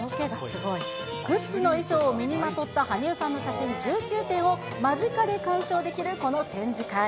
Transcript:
グッチの衣装を身にまとった羽生さんの写真１９点を、間近で鑑賞できるこの展示会。